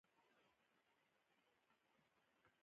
د زړه فعالیت د عمر له زیاتوالي سره کمیږي.